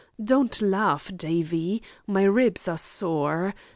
Don't laugh, Davie. My ribs are sore.